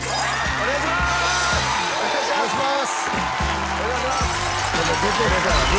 お願いします